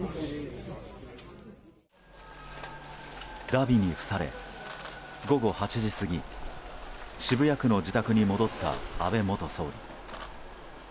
だびに付され午後８時過ぎ渋谷区の自宅に戻った安倍元総理。